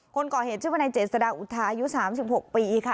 คนก่อเหตุชื่อวนายเจษฎาอุทาอายุ๓๖ปีค่ะ